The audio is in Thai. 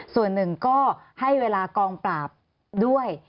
ส่วนหนึ่งก็ให้เวลากองปราบด้วย